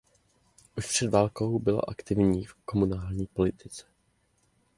Už před válkou byl aktivní v komunální politice.